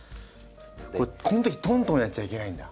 このときトントンやっちゃいけないんだ。